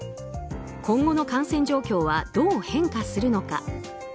今後の感染状況はどう変化するのか。